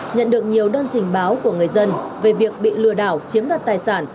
nhận được nhiều đơn trình báo của người dân về việc bị lừa đảo chiếm đoạt tài sản